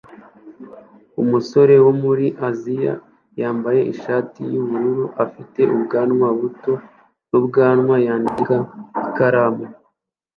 Umusore wo muri Aziya wambaye ishati yubururu afite ubwanwa buto n'ubwanwa yandika ikaramu yo mu gitabo kinini